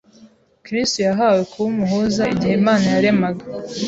Kristo yahawe kuba umuhuza igihe Imana yaremaga,